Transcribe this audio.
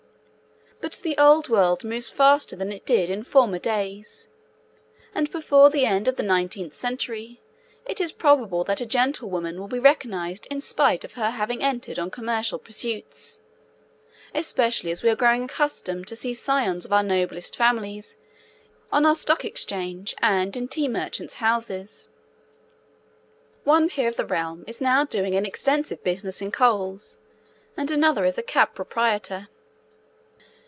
But the old world moves faster than it did in former days, and before the end of the nineteenth century it is probable that a gentlewoman will be recognised in spite of her having entered on commercial pursuits, especially as we are growing accustomed to see scions of our noblest families on our Stock Exchange and in tea merchants' houses; one Peer of the realm is now doing an extensive business in coals, and another is a cab proprietor.'